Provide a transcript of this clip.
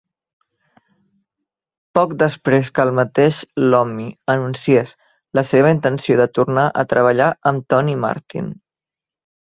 Poc després que el mateix Iommi anunciés la seva intenció de tornar a treballar amb Tony Martin.